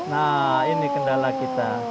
nah ini kendala kita